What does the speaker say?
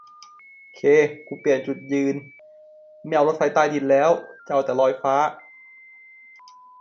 เคร กรูเปลี่ยนจุดยืน ไม่เอารถไฟใต้ดินแล้ว จะเอาแต่ลอยฟ้า